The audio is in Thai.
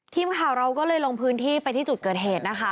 ทีมข่าวเราก็เลยลงพื้นที่ไปที่จุดเกิดเหตุนะคะ